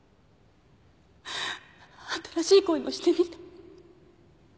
新しい恋もしてみた。